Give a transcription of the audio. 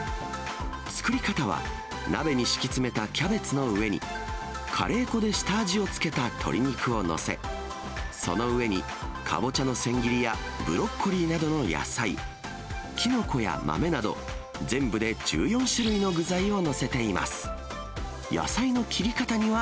作り方は、鍋に敷き詰めたキャベツの上に、カレー粉で下味をつけた鶏肉を載せ、その上にかぼちゃの千切りや、ブロッコリーなどの野菜、きのこや豆など、全部で１４種類の具材を載せています。